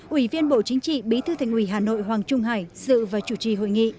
ủy viên bộ chính trị bí thư thành ủy hà nội hoàng trung hải dự và chủ trì hội nghị